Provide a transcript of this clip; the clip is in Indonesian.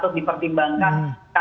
karena tentunya di indonesia terutama